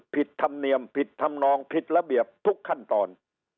ธรรมเนียมผิดธรรมนองผิดระเบียบทุกขั้นตอน